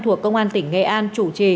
thuộc công an tỉnh nghệ an chủ trì